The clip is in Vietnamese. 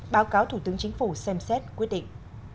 báo cáo thủ tướng chính phủ xem xét quyết định